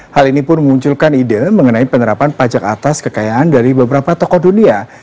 hal ini pun memunculkan ide mengenai penerapan pajak atas kekayaan dari beberapa tokoh dunia